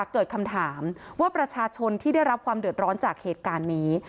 เกิดคำถามว่าประชาชนที่ได้รับความเดือดร้อนจากเหตุการณ์นี้